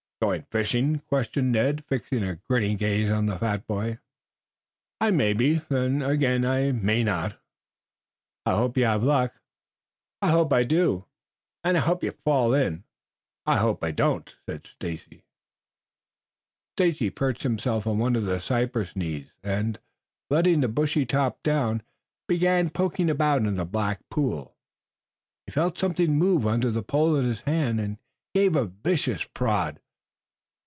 "Going fishing?" questioned Ned, fixing a grinning gaze on the fat boy. "I may be, then again I may not be." "I hope you have luck." "I hope I do." "And I hope you fall in." "I hope I don't." Stacy perched himself on one of the cypress knees, and, letting the bushy top down, began poking about in the black pool. He felt something move under the pole in his hand, and gave a vicious prod.